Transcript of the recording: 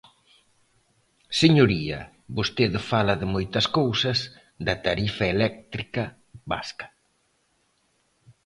Señoría, vostede fala de moitas cousas, da tarifa eléctrica vasca.